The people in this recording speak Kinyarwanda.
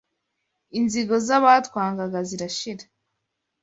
Inzigo z’abatwangaga zirashira